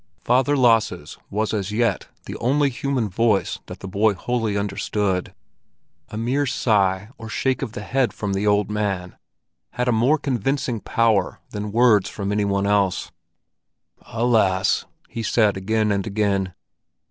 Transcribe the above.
Father Lasse's was as yet the only human voice that the boy wholly understood; a mere sigh or shake of the head from the old man had a more convincing power than words from any one else. "Alas!" he said again and again.